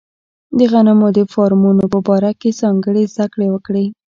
د غنمو د فارمونو په باره کې ځانګړې زده کړې وکړي.